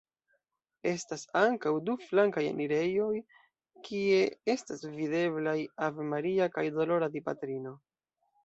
Estas ankaŭ du flankaj enirejoj, kie estas videblaj Ave Maria kaj Dolora Dipatrino.